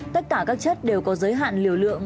tất cả các chất đều có giới hạn liều lượng